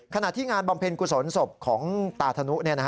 ขณะที่งานบำเพ็ญกุศลศพของตาธนุ